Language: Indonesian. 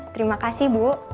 terima kasih bu